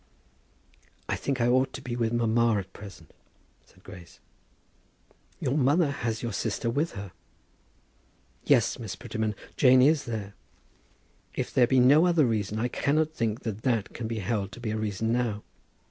"I think I ought to be with mamma at present," said Grace. "Your mother has your sister with her." "Yes, Miss Prettyman; Jane is there." "If there be no other reason, I cannot think that that can be held to be a reason now.